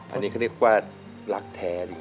อันนี้เขาเรียกว่ารักแท้เลย